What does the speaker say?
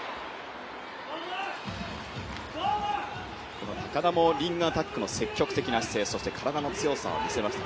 この高田もリングアタックの積極的な姿勢そして体の強さを見せました。